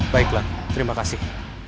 baiklah terima kasih